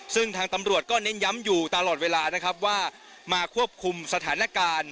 ซึ่งทางตำรวจก็เน้นย้ำอยู่ตลอดเวลานะครับว่ามาควบคุมสถานการณ์